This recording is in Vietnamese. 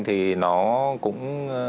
thì nó cũng